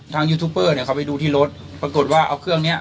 ยูทูปเปอร์เนี่ยเขาไปดูที่รถปรากฏว่าเอาเครื่องเนี้ย